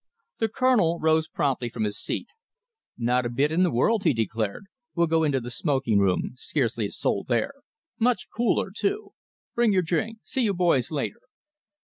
The Colonel rose promptly from his seat. "Not a bit in the world," he declared. "We'll go into the smoking room. Scarcely a soul there. Much cooler, too. Bring your drink. See you boys later."